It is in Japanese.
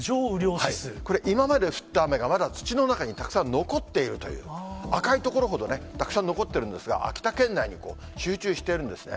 これ、今まで降った雨がまだ土の中にたくさん残っているという、赤い所ほどね、たくさん残ってるんですが、秋田県内に集中してるんですね。